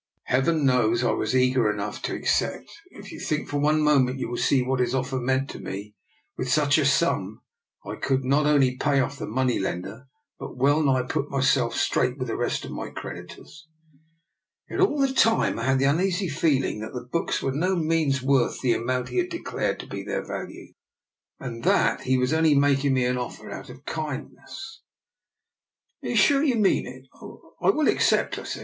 Heaven knows I was eager enough to ac cept, and if you think for one moment you will see what his offer meant to me. With such a sum I could not only pay off the money lender, but well nigh put myself straight with the rest of my creditors. Yet all the time I had the uneasy feeling that the books were by no means worth the amount he had declared to be their value^ and that he was only making me the offer out of kind ness. If you are sure you mean it, I will ac cept,*' I said.